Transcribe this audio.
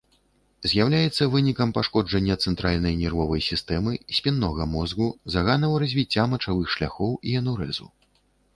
З'яўляецца вынікам пашкоджання цэнтральнай нервовай сістэмы, спіннога мозгу, заганаў развіцця мачавых шляхоў і энурэзу.